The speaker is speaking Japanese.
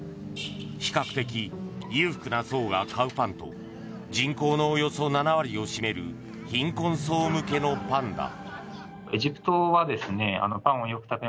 比較的裕福な層が買うパンと人口のおよそ７割を占める貧困層向けのパンだ。